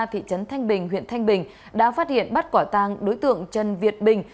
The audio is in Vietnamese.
thị trấn thanh bình huyện thanh bình đã phát hiện bắt quả tàng đối tượng trần việt bình